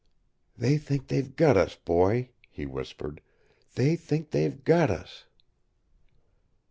"They think they've got us, boy," he whispered, "They think they've got us!"